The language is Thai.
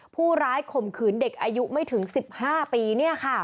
ผู้ร้ายข่มขืนเด็กอายุไม่ถึง๑๕ปี